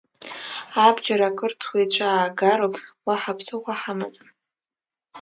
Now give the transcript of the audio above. Абџьар ақырҭуа ицәаагароуп, уаҳа ԥсыхәа ҳамаӡам!